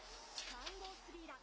３号スリーラン。